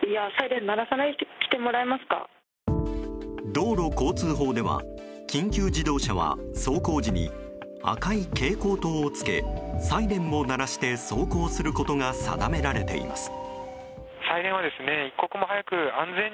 道路交通法では緊急自動車は走行時に赤い警光灯をつけサイレンを鳴らして走行することが定められています。